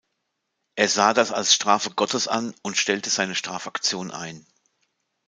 Er sah das als Strafe Gottes an und stellte seine Strafaktion ein.